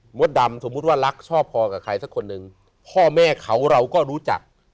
ดำสมมุติว่ารักชอบพอกับใครสักคนหนึ่งพ่อแม่เขาเราก็รู้จัก